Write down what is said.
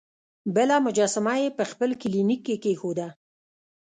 بله مجسمه یې په خپل کلینیک کې کیښوده.